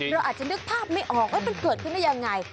เราอาจจะนึกภาพไม่ออกว่ามันเกิดขึ้นได้ยังไง